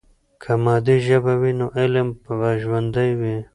که مادي ژبه وي، نو علم به ژوندۍ وي.